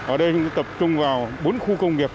ở đây chúng tôi tập trung vào bốn khu công nghiệp